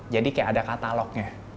jadi kayak ada katalognya